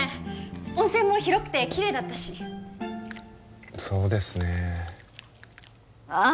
温泉も広くてキレイだったしそうですねああ